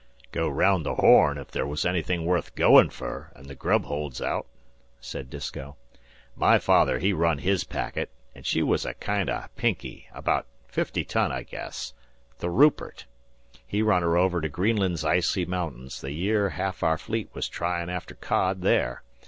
"Go araound the Horn ef there's anythin' worth goin' fer, and the grub holds aout," said Disko. "My father he run his packet, an' she was a kind o' pinkey, abaout fifty ton, I guess, the Rupert, he run her over to Greenland's icy mountains the year ha'af our fleet was tryin' after cod there.